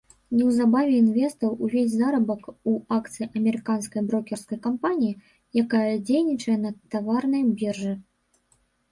Неўзабаве інвеставаў увесь заробак у акцыі амерыканскай брокерскай кампаніі, якая дзейнічала на таварнай біржы.